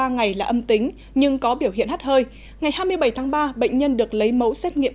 ba ngày là âm tính nhưng có biểu hiện hát hơi ngày hai mươi bảy tháng ba bệnh nhân được lấy mẫu xét nghiệm